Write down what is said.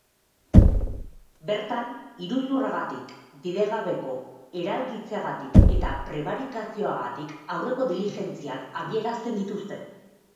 Bertan, iruzurragatik, bidegabeko eralgitzeagatik eta prebarikazioagatik aurreko diligentziak abiarazten dituzte.